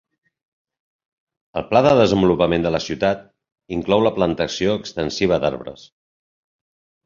El pla de desenvolupament de la ciutat inclou la plantació extensiva d'arbres.